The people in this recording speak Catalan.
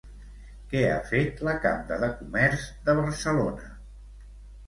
Què ha fet la Cambra de Comerç de Barcelona?